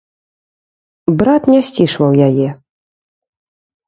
Брат не сцішваў яе.